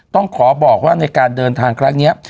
ต้องขอบอกว่าในการเดินทางครั้งนี้